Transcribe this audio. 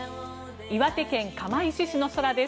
岩手県釜石市の空です。